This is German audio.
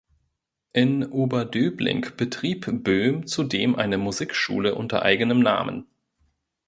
In Oberdöbling betrieb Böhm zudem eine Musikschule unter eigenem Namen.